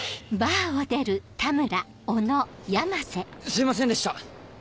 すいませんでした！